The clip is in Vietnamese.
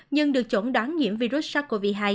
nhưng được chuẩn đoán nhiễm virus sars cov hai